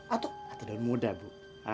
atau daun muda bu